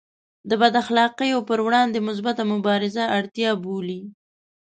د بد اخلاقیو پر وړاندې مثبته مبارزه اړتیا بولي.